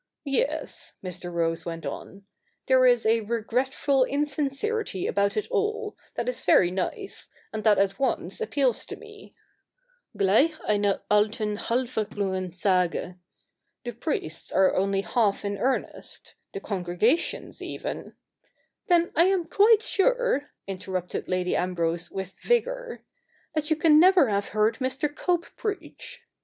' Yes,' Mr. Rose went on, ' there is a regretful in sincerity about it all, that is very nice, and that at once CH. i] THE NEW REPUBLIC 193 appeals to me, " Gleich ewer alteii ha/bvei'kliDigeii Sage.'' The priests are only half in earnest ; the congregations, even '' Then I am quite sure,' interrupted Lady Ambrose with vigour, ' that you can never have heard Mr. Cope preach.'